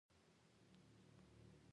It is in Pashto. پسه د قربانۍ نه وروسته وېشل کېږي.